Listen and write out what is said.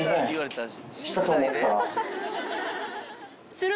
する？